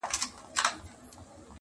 د شهیدانو هدیرې جوړي سي!!